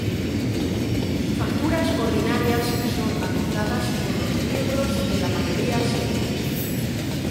Facturas ordinarias son adoptadas por los miembros de la mayoría simple.